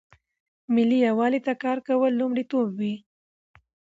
ملي یووالي ته کار کول لومړیتوب وي.